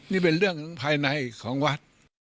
นี่เป็นเรื่องของภายในของวัด